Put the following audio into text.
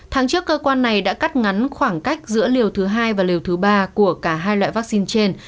tháng trước cơ quan này đã cắt ngắn khoảng cách giữa liều thứ hai và liều thứ ba của cả hai loại vaccine trên